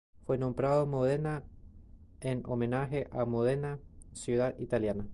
Fue nombrado Modena en homenaje a Módena ciudad italiana.